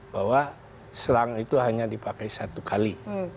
bahwa selang itu hanya dipakai satu kali